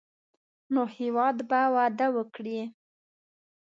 نو هېواد به وده وکړي.